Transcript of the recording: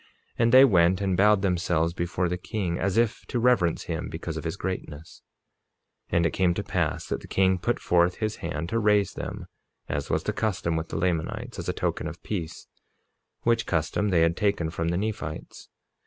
And they went and bowed themselves before the king, as if to reverence him because of his greatness. 47:23 And it came to pass that the king put forth his hand to raise them, as was the custom with the Lamanites, as a token of peace, which custom they had taken from the Nephites.